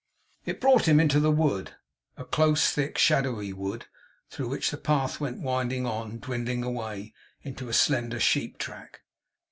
It brought him to the wood; a close, thick, shadowy wood, through which the path went winding on, dwindling away into a slender sheep track.